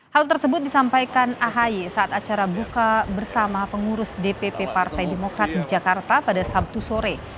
hal tersebut disampaikan ahy saat acara buka bersama pengurus dpp partai demokrat di jakarta pada sabtu sore